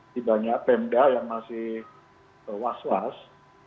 sebanyak pemda yang masih was was